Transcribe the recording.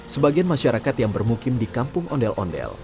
sebagian masyarakat yang bermukim di kampung ondel ondel